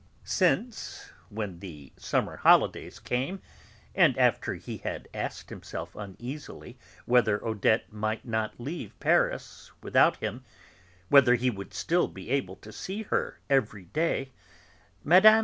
since, when the summer holidays came, and after he had asked himself uneasily whether Odette might not leave Paris without him, whether he would still be able to see her every day, Mme.